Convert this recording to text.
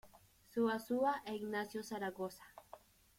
Zuazua e Ignacio Zaragoza.